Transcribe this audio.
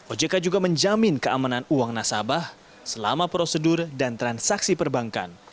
ojk juga menjamin keamanan uang nasabah selama prosedur dan transaksi perbankan